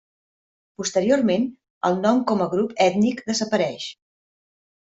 Posteriorment el nom com a grup ètnic desapareix.